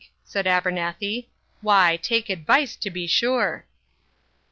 said Abernethy, 'why, take advice, to be sure.